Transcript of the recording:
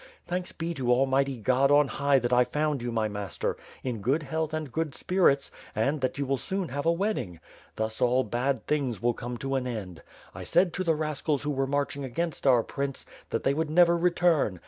Thanks be to Almighty God on high that I found you, my master, in good health and good spirits, and that you will soon have a wedding. .. Thus all bad things will come to an end. I said to the rascals who were marching against our prince, that they would never return.